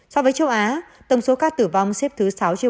so với châu á tổng số ca tử vong xếp thứ sáu trên bốn mươi chín xếp thứ ba asean